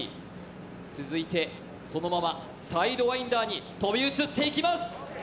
続いてそのままサイドワインダーに飛び移っていきます。